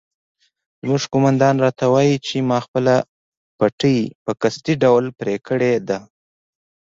زموږ قومندان راته وایي چې ما خپله پټۍ په قصدي ډول پرې کړې ده.